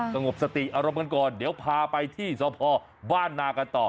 สงบสติอารมณ์กันก่อนเดี๋ยวพาไปที่สพบ้านนากันต่อ